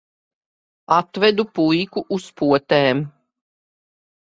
Atvedu puiku uz potēm.